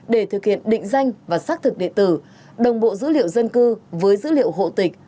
để thực hiện định danh và xác thực địa tử đồng bộ dữ liệu dân cư với dữ liệu hộ tịch